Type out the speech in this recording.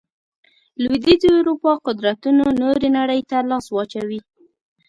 لوېدیځې اروپا قدرتونو نورې نړۍ ته لاس واچوي.